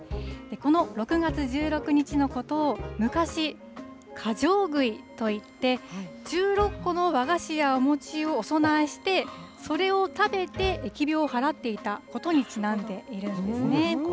この６月１６日のことを、昔、かじょうぐいといって１６個の和菓子やお餅をお供えして、それを食べて疫病をはらっていたことにちなんでいるんですね。